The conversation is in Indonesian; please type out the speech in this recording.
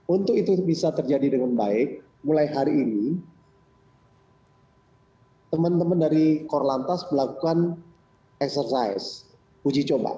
untuk itu bisa terjadi dengan baik mulai hari ini teman teman dari korlantas melakukan eksersis uji coba